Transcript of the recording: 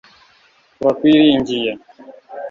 turakwiringiye